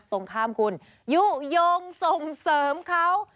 ตรงข้ามคุณยุโยงส่งเสริมเขา